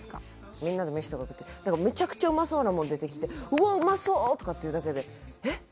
みんなで飯とか食っててめちゃくちゃうまそうなもん出てきて「うわうまそう！」とかって言うだけでえっ？